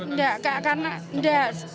enggak karena enggak